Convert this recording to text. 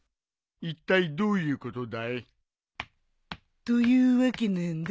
いったいどういうことだい？というわけなんだ。